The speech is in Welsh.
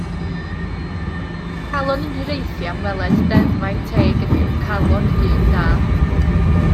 Calon yn hiraethu am weled deddfau teg ydyw calon y dyn da.